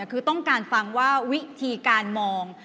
คือต้องการฟังว่าวิธีการมอง